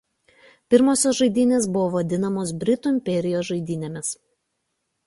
Pirmosios žaidynės buvo vadinamos "Britų imperijos žaidynėmis".